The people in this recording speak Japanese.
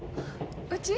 うち？